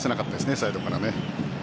サイドから。